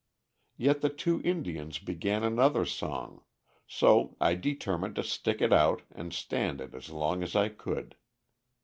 Yet the two Indians began another song, so I determined to stick it out and stand it as long as I could.